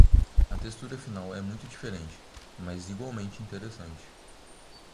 A textura final é muito diferente, mas igualmente interessante.